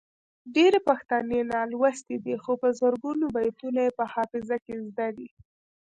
ډیری پښتانه نالوستي دي خو په زرګونو بیتونه یې په حافظه کې زده دي.